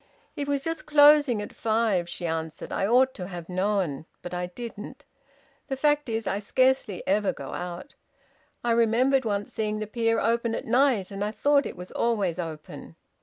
"It was just closing at five," she answered. "I ought to have known. But I didn't. The fact is, I scarcely ever go out. I remembered once seeing the pier open at night, and I thought it was always open."